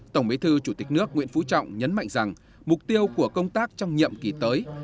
tổng bí thư chủ tịch nước nguyễn phú trọng nhấn mạnh rằng mục tiêu của công tác trong nhiệm kỳ tới